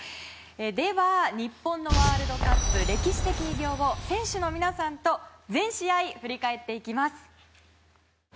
では日本のワールドカップ歴史的偉業を選手の皆さんと全試合、振り返っていきます！